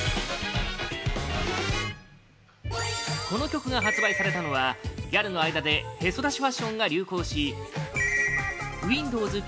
この曲が発売されたのはギャルの間でへそ出しファッションが流行しウィンドウズ